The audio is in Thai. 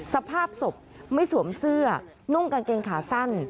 สภาพศพไม่สวมเสื้อนุ่งกางเกงขาสั้น